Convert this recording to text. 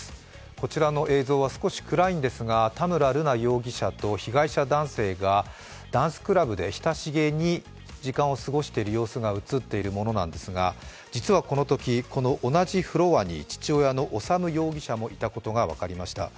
こちらの映像は、少し暗いんですが田村瑠奈容疑者と被害者男性がダンスクラブで親しげに時間を過ごしている様子が映っているものなんですが、実はこのとき、この同じフロアに父親の修容疑者もいたことが分かりました。